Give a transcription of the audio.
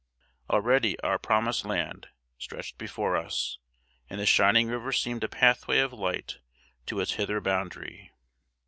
Already our Promised Land stretched before us, and the shining river seemed a pathway of light to its hither boundary.